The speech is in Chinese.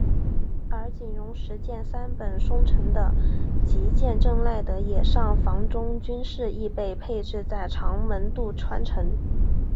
而警戒石见三本松城的吉见正赖的野上房忠军势亦被配置在长门渡川城。